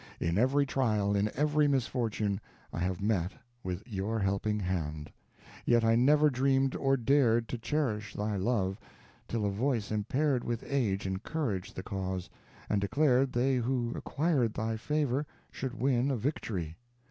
In every trial, in every misfortune, I have met with your helping hand; yet I never dreamed or dared to cherish thy love, till a voice impaired with age encouraged the cause, and declared they who acquired thy favor should win a victory.